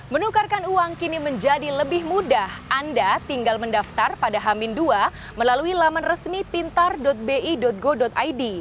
menukarkan uang kini menjadi lebih mudah anda tinggal mendaftar pada hamin dua melalui laman resmi pintar bi go id